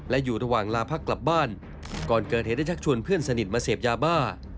และอยู่ระหว่างลาพักกลับบ้านก่อนเกิดเหตุได้ชักชวนเพื่อนสนิทมาเสพยาบ้า